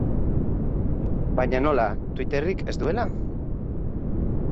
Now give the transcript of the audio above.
Baina nola, Twitterrik ez duela?